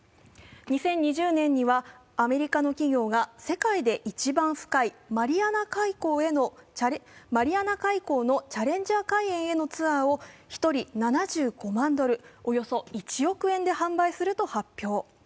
２０２０年にはアメリカの企業が世界で一番深いマリアナ海溝のチャレンジャー海えんへのツアーを１人７５万ドル、およそ１億円で販売すると発表。